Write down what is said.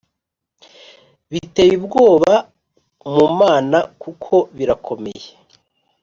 biteye ubwoba mu mana kuko birakomeye